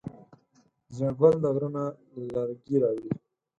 زیړ ګل د غره نه لرګی راوړی.